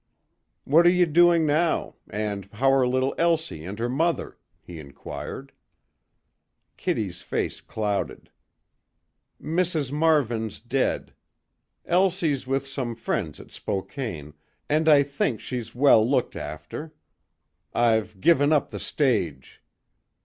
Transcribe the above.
"What are you doing now, and how are little Elsie and her mother?" he inquired. Kitty's face clouded. "Mrs. Marvin's dead. Elsie's with some friends at Spokane, and I think she's well looked after. I've given up the stage.